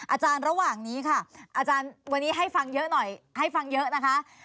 ระหว่างนี้ค่ะอาจารย์วันนี้ให้ฟังเยอะหน่อยให้ฟังเยอะนะคะ